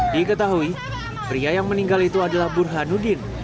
diketahui pria yang meninggal itu adalah burhanuddin